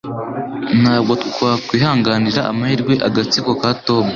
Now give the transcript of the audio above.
Ntabwo twakwihanganira amahirwe agatsiko ka Tom.